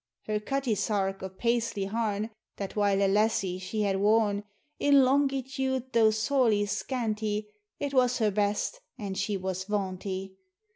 Her cutty sark o' Paisley harn, That while a lassie she had worn, In longitude though sorely scanty, It was her best, and she was vaunty.